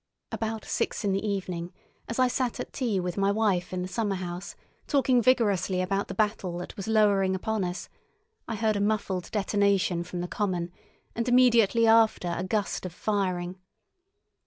About six in the evening, as I sat at tea with my wife in the summerhouse talking vigorously about the battle that was lowering upon us, I heard a muffled detonation from the common, and immediately after a gust of firing.